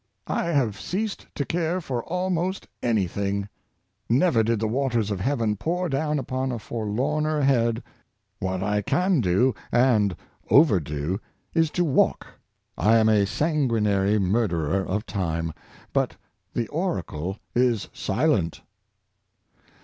I have ceased to care for almost any thing. ^"^^ Never did the waters of heaven pour down upon a forlorner head. What I can do, and over do, is to walk. I am a sanguinary murderer of time. But the oracle is silent."